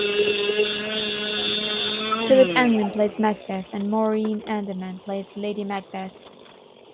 Philip Anglim plays Macbeth and Maureen Anderman plays Lady Macbeth.